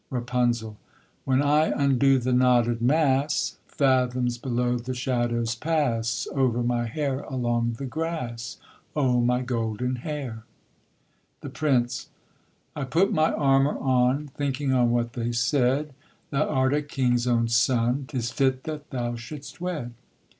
RAPUNZEL. When I undo the knotted mass, Fathoms below the shadows pass Over my hair along the grass. O my golden hair! THE PRINCE. I put my armour on, Thinking on what they said: 'Thou art a king's own son, 'Tis fit that thou should'st wed.'